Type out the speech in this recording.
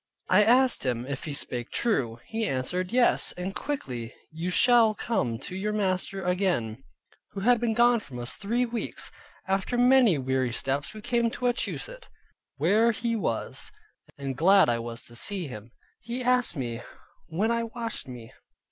I asked him, if he spake true? He answered, "Yes, and quickly you shall come to your master again; who had been gone from us three weeks." After many weary steps we came to Wachusett, where he was: and glad I was to see him. He asked me, when I washed me?